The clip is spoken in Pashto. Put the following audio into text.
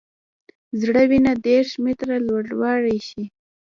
زړه وینه دېرش متره لوړولی شي.